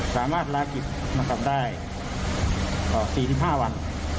สามารถลากิจได้๔๕วัน